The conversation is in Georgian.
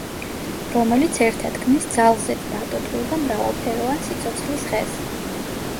რომელიც ერთად ქმნის ძალზედ დატოტვილ და მრავალფეროვან სიცოცხლის ხეს.